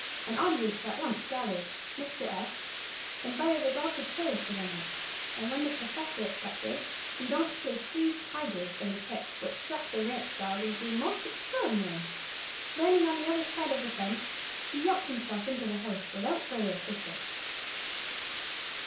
An audience at once gathered. Mr. S invited us all to tarry for the night, and when the Prof. accepted, we donks gave three "tigers" and a kick, which struck the ranch dog as being most extraordinary. Landing on the other side of the fence, he yelped himself into the house without further assistance.